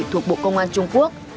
thuộc bộ công an trung quốc